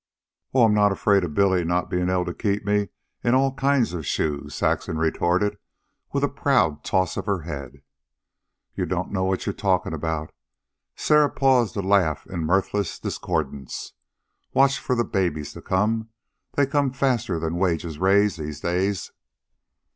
"Oh, I'm not afraid of Billy not being able to keep me in all kinds of shoes," Saxon retorted with a proud toss of her head. "You don't know what you're talkin' about." Sarah paused to laugh in mirthless discordance. "Watch for the babies to come. They come faster than wages raise these days."